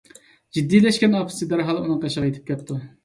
جىددىيلەشكەن ئاپىسى دەرھال ئۇنىڭ قېشىغا يېتىپ كەپتۇ.